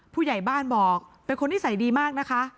ผู้ใหญ่บ้านบอกเป็นคนนิสัยดีมากนะคะ